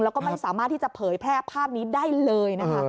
แล้วก็ไม่สามารถที่จะเผยแพร่ภาพนี้ได้เลยนะคะ